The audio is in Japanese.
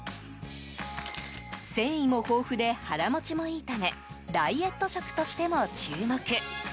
繊維も豊富で腹持ちもいいためダイエット食としても注目。